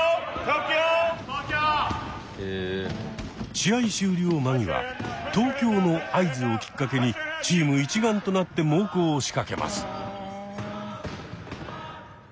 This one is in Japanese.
試合終了間際「東京」の合図をきっかけにチーム一丸となって猛攻を仕掛けます。